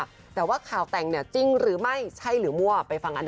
ผมว่าเขาถึงเวลาแล้วนะ